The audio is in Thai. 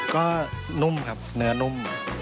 ก็นุ่มครับเนื้อนุ่ม